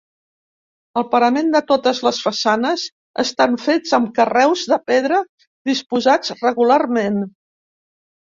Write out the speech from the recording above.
El parament de totes les façanes estan fets amb carreus de pedra disposats regularment.